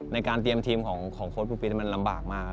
ในการเตรียมทีมของโค้ชปูปี้มันลำบากมาก